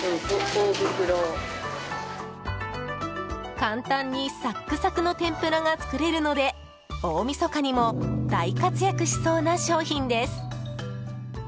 簡単にサックサクの天ぷらが作れるので大みそかにも大活躍しそうな商品です。